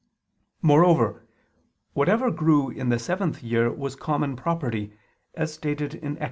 Moreover, whatever grew in the seventh year was common property, as stated in Ex.